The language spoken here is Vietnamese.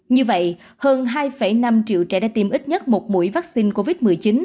như vậy hơn hai năm triệu trẻ đã tiêm ít nhất một mũi vaccine covid một mươi chín